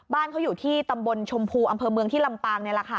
บ้านเขาอยู่ที่ตำบลชมพูอำเภอเมืองที่ลำตาง